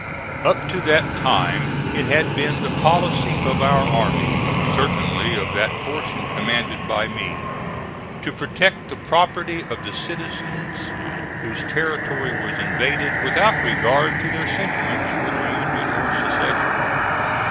Up to that time it had been the policy of our army, certainly of that portion commanded by me, to protect the property of the citizens whose territory was invaded, without regard to their sentiments, whether Union or Secession.